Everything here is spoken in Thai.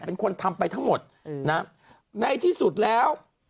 เป็นคนทำไปทั้งหมดนะในที่สุดแล้ว